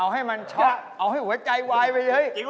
เอาให้มันชอบเอาให้หัวใจไวเว้ย